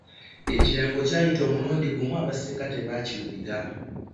Ekirango kyayita omulundi gumu abasinga tebaawulira.